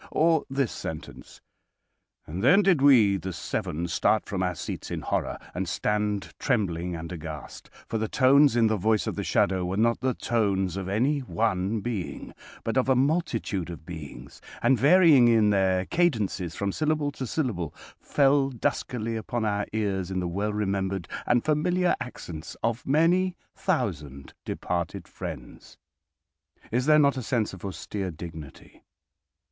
Or this sentence: "And then did we, the seven, start from our seats in horror, and stand trembling and aghast, for the tones in the voice of the shadow were not the tones of any one being, but of a multitude of beings, and, varying in their cadences from syllable to syllable, fell duskily upon our ears in the well remembered and familiar accents of many thousand departed friends." Is there not a sense of austere dignity?